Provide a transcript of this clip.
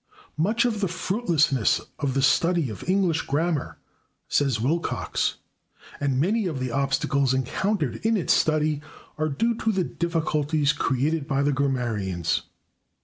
"Much of the fruitlessness of the study of English grammar," says Wilcox, "and many of the obstacles encountered in its study are due to 'the difficulties created by the grammarians.'